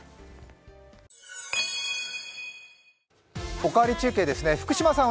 「おかわり中継」ですね、福島さん